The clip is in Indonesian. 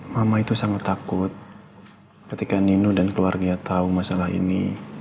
mama itu sangat takut ketika nino dan keluarga tahu masalah ini